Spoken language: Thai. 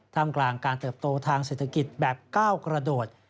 ทำกลางการเติบโตทางเศรษฐกิจแบบก้าวกระโดด